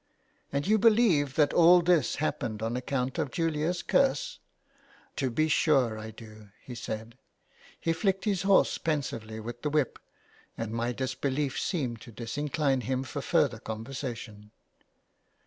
" And you believe that all this happens on account of Julia's curse ?"" To be sure I do/' he said. He flicked his horse pensively with the whip, and my disbelief seemed to disincline him for further conversation.